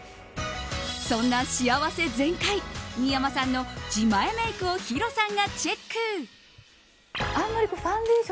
そんな幸せ全開、新山さんの自前メイクをヒロさんがチェック。